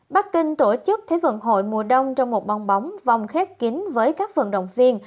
bắc kinh tổ chức thế vận hội mùa đông trong một bong bóng vòng khép kín với các vận động viên